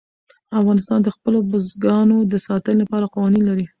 افغانستان د خپلو بزګانو د ساتنې لپاره قوانین لري.